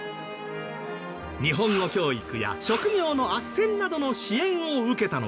日本語教育や職業の斡旋などの支援を受けたのです。